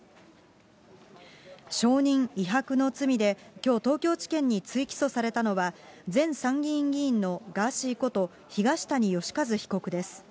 証人威迫の罪で、きょう、東京地検に追起訴されたのは、前参議院議員のガーシーこと東谷義和被告です。